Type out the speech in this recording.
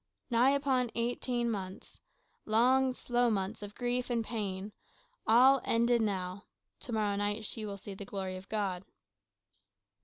"Nigh upon eighteen months long slow months of grief and pain. All ended now. To morrow night she will see the glory of God."